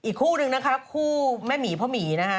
อีกคู่นึงนะครับคู่แม่หมีพ่อหมีนะคะ